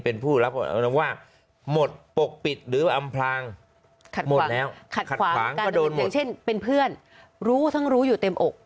เป็นอย่างความที่เราะว่าหมดปกปิดหรืออัมพลังฯหมดแล้วขัดขวางก็โดนเช่นเป็นเพื่อนรู้ทั่งรู้อยู่เต็มอก